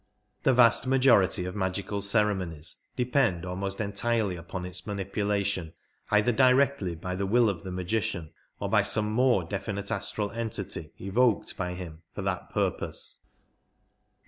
The vast majority of magical ceremonies depend almost entirely upon its manipulation, either directly by the will of the magician, or by some more definite astral entity evoked by him for that purpose.